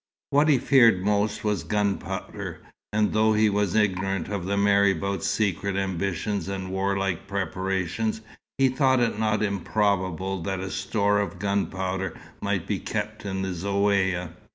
What he feared most was gunpowder; and though he was ignorant of the marabout's secret ambitions and warlike preparations, he thought it not improbable that a store of gunpowder might be kept in the Zaouïa.